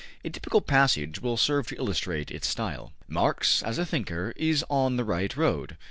A typical passage will serve to illustrate its style. ``Marx, as a thinker, is on the right road.